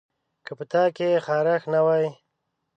که په تا کې خارښت نه وای